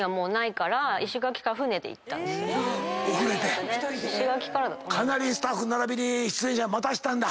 かなりスタッフならびに出演者待たしたんだ。